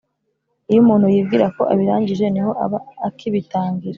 Iyo umuntu yibwira ko abirangije, ni ho aba akibitangira,